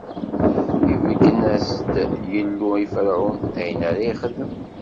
Ibeggen-as-d Yillu i Ferɛun, ayen ara yexdem.